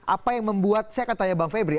apa yang membuat saya akan tanya bang febri